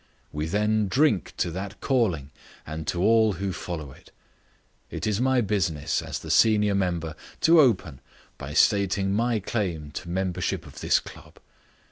We then drink to that calling and to all who follow it. It is my business, as the senior member, to open by stating my claim to membership of this club.